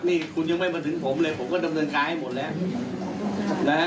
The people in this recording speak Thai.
นี่คุณยังไม่มาถึงผมเลยผมก็ดำเนินการให้หมดแล้วนะฮะ